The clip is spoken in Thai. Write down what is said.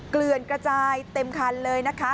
เกลือนกระจายเต็มคันเลยนะคะ